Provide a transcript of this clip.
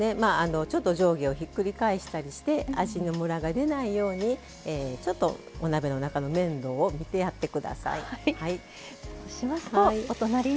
ちょっと上下をひっくり返したりして味のムラが出ないようにちょっとお鍋の中の面倒を見てやってください。